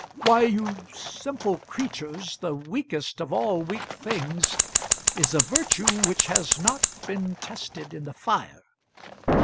Why, you simple creatures, the weakest of all weak things is a virtue which has not been tested in the fire.